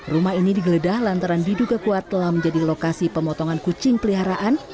rumah ini digeledah lantaran diduga kuat telah menjadi lokasi pemotongan kucing peliharaan